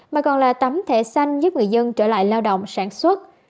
mà còn là tấm thẻ xanh giúp người dân trở lại lao động sản xuất